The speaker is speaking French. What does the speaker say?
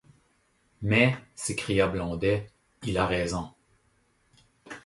Mais, s’écria Blondet, il a raison.